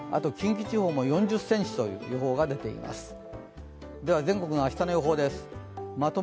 近畿地方も４０ｃｍという予報が出ています。